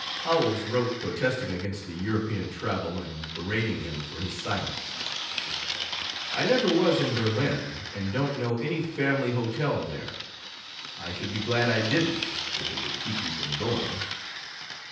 Howells wrote protesting against the European travel and berating him for his silence: "I never was in Berlin and don't know any family hotel there. I should be glad I didn't, if it would keep you from going.